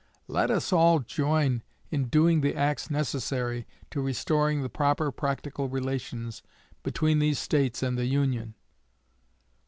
Let us all join in doing the acts necessary to restoring the proper practical relations between these States and the Union."